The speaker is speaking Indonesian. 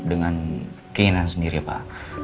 dengan keinginan sendiri pak